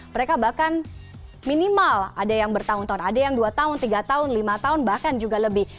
mereka bahkan minimal ada yang bertahun tahun ada yang dua tahun tiga tahun lima tahun bahkan juga lebih